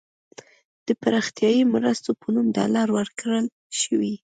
د پراختیايي مرستو په نوم ډالر ورکړل شوي.